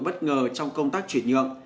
bất ngờ trong công tác chuyển nhượng